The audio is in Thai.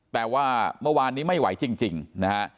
แต่ว่าเมื่อวานนี้ไม่ไหวจริงนะฮะ